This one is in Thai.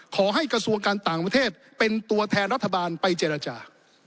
กระทรวงการต่างประเทศเป็นตัวแทนรัฐบาลไปเจรจา